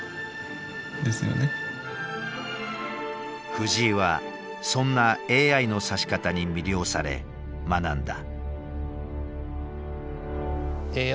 藤井はそんなＡＩの指し方に魅了され学んだ。